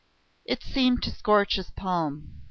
It seemed to scorch his palm.